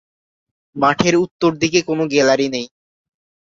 মাঠের উত্তর দিকে কোনো গ্যালারি নেই।